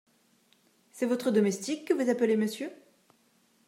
C’est votre domestique que vous appelez "monsieur" ?